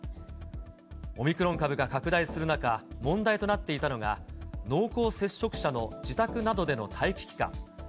オミクロン株が拡大する中、問題となっていたのが、濃厚接触者の自宅などでの待機期間。